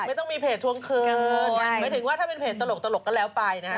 ไม่ต้องมีเพจทวงคืนหมายถึงว่าถ้าเป็นเพจตลกก็แล้วไปนะฮะ